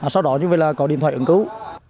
sau đó như vậy là có điện thoại ứng cứu